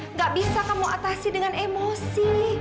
nggak bisa kamu atasi dengan emosi